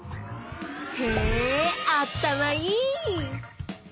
へあったまいい！